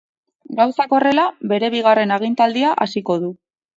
Gauzak horrela, bere bigarren agintaldia hasiko du.